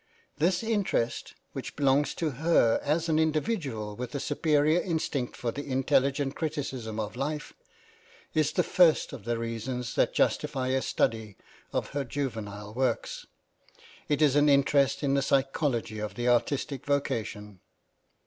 This interest, which belongs to her as an individual with a superior instinct for the intelligent criticism of life, is the first of the reasons that justify a study of her juvenile works ; it is an interest in the psychology of the artistic vocation.